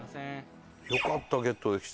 よかったゲットできて。